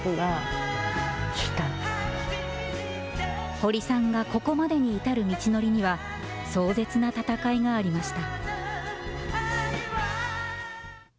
堀さんがここまでに至る道のりには、壮絶な闘いがありました。